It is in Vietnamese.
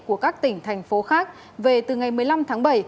của các tỉnh thành phố khác về từ ngày một mươi năm tháng bảy